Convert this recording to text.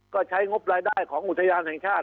ก็ใช้งบรายได้ของอุทยานแห่งชาติ